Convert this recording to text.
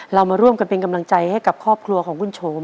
เรามาร่วมกันเป็นกำลังใจให้กับครอบครัวของคุณโฉม